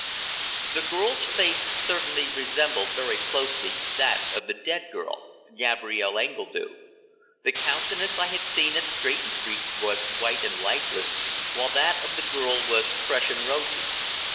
The girl's face certainly resembled very closely that of the dead girl Gabrielle Engledue. The countenance I had seen at Stretton Street was white and lifeless, while that of the girl was fresh and rosy.